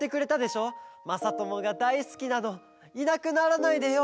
「まさともがだいすきなのいなくならないでよ」